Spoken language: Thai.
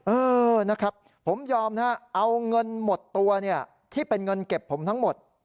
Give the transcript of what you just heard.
เออนะครับผมยอมนะฮะเอาเงินหมดตัวเนี่ยที่เป็นเงินเก็บผมทั้งหมด